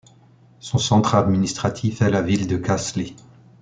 Son centre administratif est la ville de Kasli.